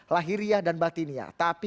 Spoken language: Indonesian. lahiria dan batinia tapi